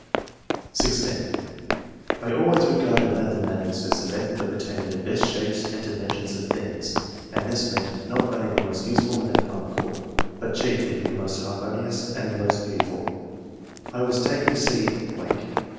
(16) "I always regarded mathematics as the method of obtaining the best shapes and dimen sions of things ; and this meant not only the most useful and economical, but chiefly the most harmonious and the most beautiful I was 156 ENGLISH MEN OF SCIENCE. [chap. taken to see ...